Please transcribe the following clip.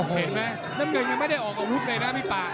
เห็นไหมน้ำเงินยังไม่ได้ออกอาวุธเลยนะพี่ป่า